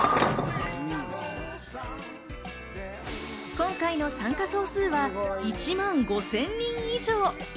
今回の参加総数は１万５０００人以上。